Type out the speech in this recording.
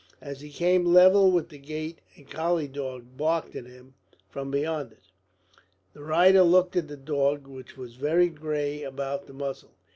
As he came level with the gate a collie dog barked at him from behind it. The rider looked at the dog, which was very grey about the muzzle.